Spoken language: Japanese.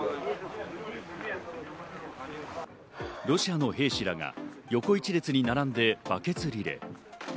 ロシアの兵士らが横１列に並んでバケツリレー。